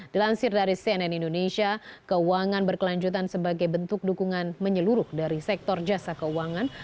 dilansir dari cnn indonesia keuangan berkelanjutan sebagai bentuk dukungan menyeluruh dari sektor jasa keuangan